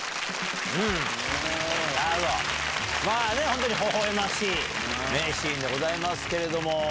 本当にほほ笑ましい名シーンでございますけれども。